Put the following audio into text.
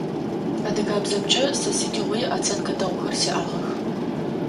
Адыгэбзэмкӏэ сэ сыдигъуи оценкэ дэгъухэр сиӏагъэх.